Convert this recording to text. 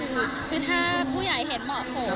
คือถ้าผู้ใหญ่เห็นเหมาะสม